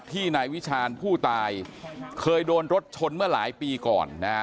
ที่นายวิชาญผู้ตายเคยโดนรถชนเมื่อหลายปีก่อนนะฮะ